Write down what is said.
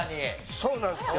そうなんですよ。